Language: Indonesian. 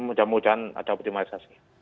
mudah mudahan ada optimalisasi